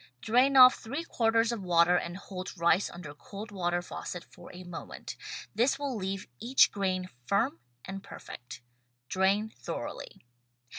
Drain off three quarters of water and hold rice under cold water faucet for a moment; this will leave each grain firm and perfect. Drain thoroughly.